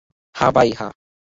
হ্যাঁ ভাই, হ্যাঁ!